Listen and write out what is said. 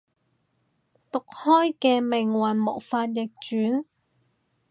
毒開嘅命運無法逆轉